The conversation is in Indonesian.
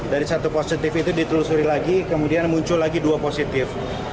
dari satu positif itu ditelusuri lagi kemudian muncul lagi dua positif